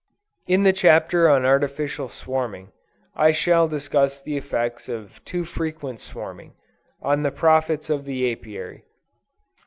In the Chapter on Artificial Swarming, I shall discuss the effect of too frequent swarming, on the profits of the Apiary.